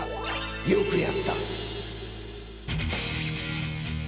よくやった！